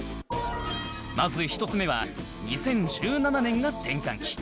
まず１つ目は２０１７年が転換期